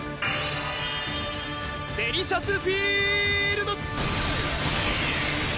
デリシャスフィールド！